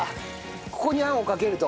ここに餡をかけると。